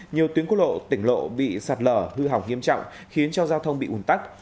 nhiều tuyến quốc lộ tỉnh lộ bị sạt lở hư hỏng nghiêm trọng khiến cho giao thông bị ủn tắc